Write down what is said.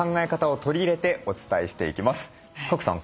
賀来さん